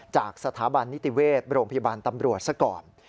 จากสถาบันนิติเวชโรงพยาบาลตำรวจซะก่อน